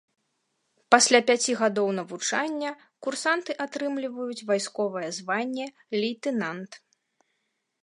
Пасля пяці гадоў навучання курсанты атрымліваюць вайсковае званне лейтэнант.